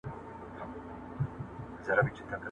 معلم صاحب خپل لور په ډېر مهارت سره کاراوه.